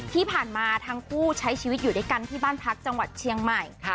ที่ผ่านมาทั้งคู่ใช้ชีวิตอยู่ด้วยกันที่บ้านพักจังหวัดเชียงใหม่